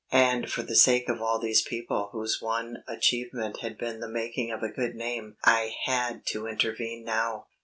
And for the sake of all these people whose one achievement had been the making of a good name I had to intervene now.